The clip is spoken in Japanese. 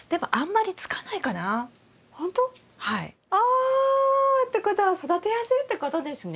お！ってことは育てやすいってことですね？